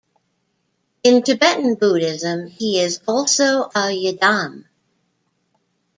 In Tibetan Buddhism, he is also a yidam.